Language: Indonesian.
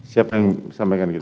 siap yang sampaikan gitu